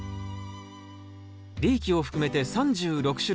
リーキを含めて３６種類。